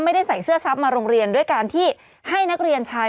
ไม่ได้ใส่เสื้อซับมาโรงเรียนด้วยการที่ให้นักเรียนชาย